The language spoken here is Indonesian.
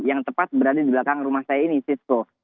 yang tepat berada di belakang rumah saya ini sizko